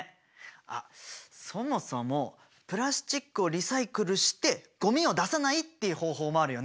あっそもそもプラスチックをリサイクルしてゴミを出さないっていう方法もあるよね。